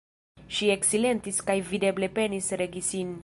Ŝi eksilentis kaj videble penis regi sin.